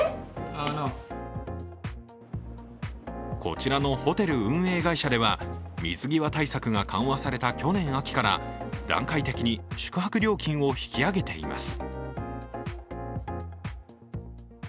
こちらのホテル運営会社では水際対策が緩和された去年秋から段階的に宿泊料金を引き上げています。